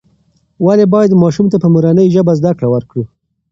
ولې باید ماشوم ته په مورنۍ ژبه زده کړه ورکړو؟